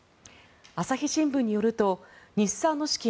朝日新聞によると日産の資金